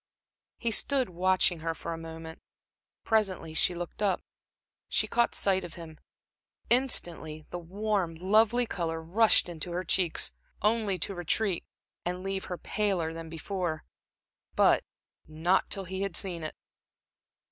He stood watching her for a moment. Presently she looked up. She caught sight of him. Instantly the warm, lovely color rushed into her cheeks, only to retreat, and leave her paler than before but not till he had seen it.